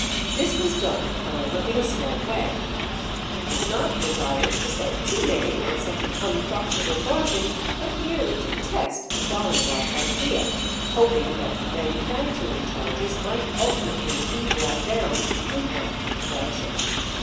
This was done, however, in a small way. It was not desired to sell too many on such an unprofitable margin, but merely to test the dollar watch idea, hoping that manufacturing charges might ultimately be brought down through quantity production.